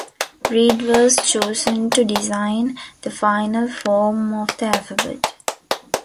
Read was chosen to design the final form of the alphabet.